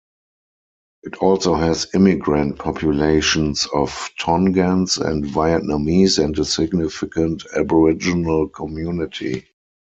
It also has immigrant populations of Tongans and Vietnamese and a significant Aboriginal community.